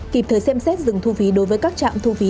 kịp thời xem xét dừng thu phí đối với các trạm thu phí